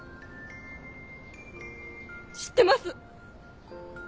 知ってます。